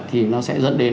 thì nó sẽ dẫn đến